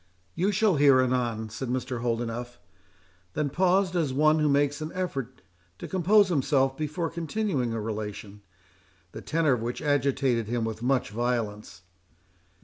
"You shall hear anon," said Mr. Holdenough; then paused as one who makes an effort to compose himself before continuing a relation, the tenor of which agitated him with much violence.